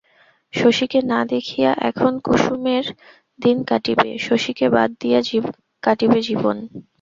শশীকে না দেখিয়া এখন কুসুমের দিন কাটিবে, শশীকে বাদ দিয়া কাটিবে জীবন।